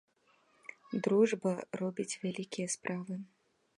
Дружба робіць вялікія справы.